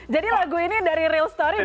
jadi lagu ini dari real story gak sih